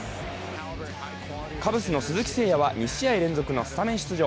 カブスの鈴木誠也は、２試合連続のスタメン出場。